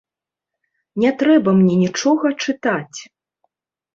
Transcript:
Не трэба мне нічога чытаць!